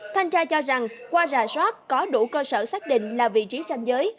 thanh tra cho rằng qua rà soát có đủ cơ sở xác định là vị trí ranh giới